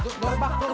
duh buka buka buka